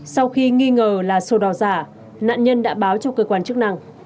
sau khi nghi ngờ là sổ đỏ giả nạn nhân đã báo cho cơ quan chức năng